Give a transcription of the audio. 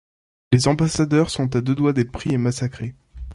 Les ambassadeurs sont à deux doigts d'être pris et massacrés.